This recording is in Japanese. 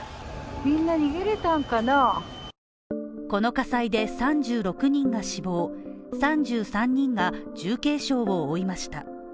この火災で３６人が死亡３３人が重軽傷を負いました。